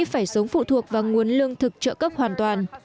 phải sống phụ thuộc vào nguồn lương thực trợ cấp hoàn toàn